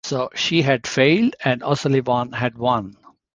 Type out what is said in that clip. So she had failed and O'Sullivan had won!